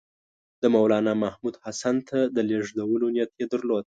د مولنامحمود حسن ته د لېږلو نیت یې درلود.